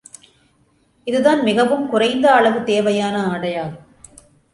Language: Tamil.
இதுதான் மிகவும் குறைந்த அளவு தேவையான ஆடையாகும்.